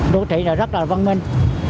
đô thị này rất là văn minh